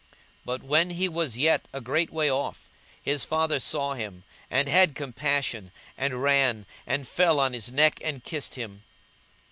But when he was yet a great way off, his father saw him, and had compassion, and ran, and fell on his neck, and kissed him.